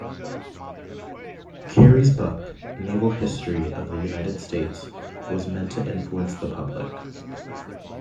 Carey’s book "Naval History of the United States," was meant to influence the public.